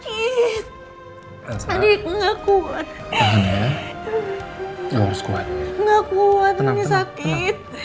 ini yang cantik ya fotonya ya